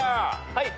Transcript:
はい。